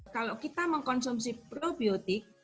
kalau kita mengkonsumsi probiotik